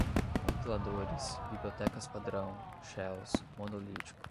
compiladores, bibliotecas-padrão, shells, monolítico